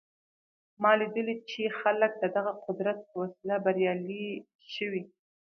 ما لیدلي چې خلک د دغه قدرت په وسیله بریالي شوي